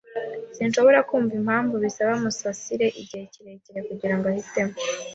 Sinshobora kumva impamvu bisaba Musasira igihe kirekire kugirango ahitemo.